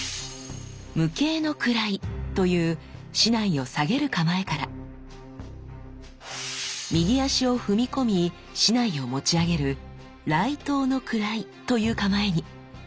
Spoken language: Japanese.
無形の位という竹刀を下げる構えから右足を踏み込み竹刀を持ち上げる雷刀の位という構えに。